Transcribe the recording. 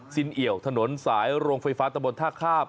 เอี่ยวถนนสายโรงไฟฟ้าตะบนท่าข้าม